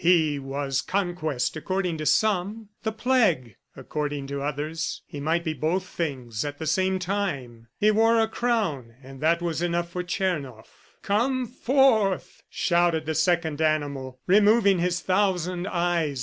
He was Conquest, according to some, the Plague according to others. He might be both things at the same time. He wore a crown, and that was enough for Tchernoff. "Come forth," shouted the second animal, removing his thousand eyes.